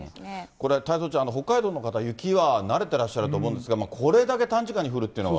これ、太蔵ちゃん、北海道の方、雪は慣れてらっしゃると思うんですが、これだけ短時間に降るというのは。